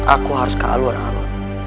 aku harus ke alwar anu